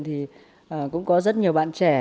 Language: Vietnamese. thì cũng có rất nhiều bạn trẻ